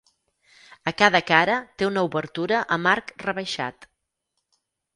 A cada cara té una obertura amb arc rebaixat.